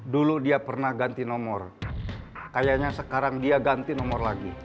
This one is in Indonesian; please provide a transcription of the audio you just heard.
dulu dia pernah ganti nomor kayaknya sekarang dia ganti nomor lagi